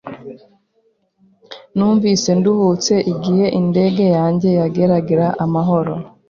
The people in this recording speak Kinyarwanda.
Numvise nduhutse igihe indege yanjye yageraga amahoro.